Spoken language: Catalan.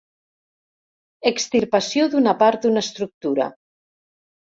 Extirpació d'una part d'una estructura.